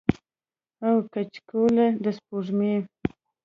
او کچکول د سپوږمۍ